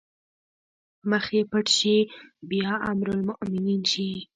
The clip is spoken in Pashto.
مخ يې پټ شي بيا امرالمومنين شي